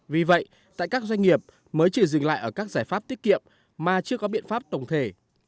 vì vậy tại các doanh nghiệp mới chỉ dừng lại ở các giải pháp tiết kiệm mà chưa có biện pháp tổng thể